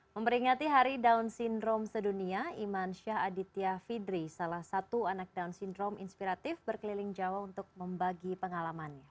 memperingati hari down syndrome sedunia iman syah aditya fidri salah satu anak down syndrome inspiratif berkeliling jawa untuk membagi pengalamannya